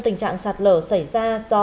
tình trạng sạt lở xảy ra do